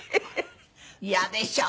嫌でしょ。